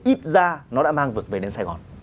ít ra nó đã mang vực về đến sài gòn